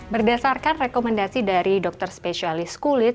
berdasarkan rekomendasi dari dokter spesialis kulit